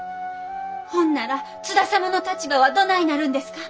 ほんなら津田様の立場はどないなるんですか？